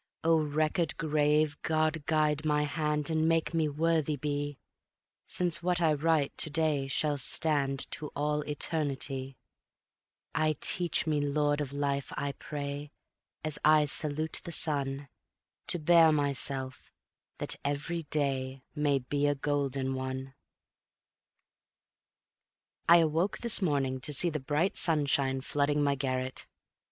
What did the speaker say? O Record grave, God guide my hand And make me worthy be, Since what I write to day shall stand To all eternity; Aye, teach me, Lord of Life, I pray, As I salute the sun, To bear myself that every day May be a Golden One. I awoke this morning to see the bright sunshine flooding my garret.